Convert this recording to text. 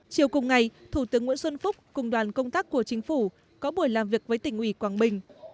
chiều cùng ngày thủ tướng nguyễn xuân phúc cùng đoàn công tác của chính phủ có buổi làm việc với tỉnh ủy quảng bình